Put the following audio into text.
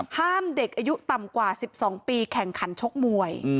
ห้ามเด็กอายุต่ำกว่า๑๒ปีแข่งขันชกมวย